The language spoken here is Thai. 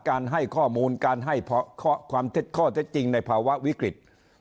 การให้ข้อมูลการให้ความเท็จข้อเท็จจริงในภาวะวิกฤต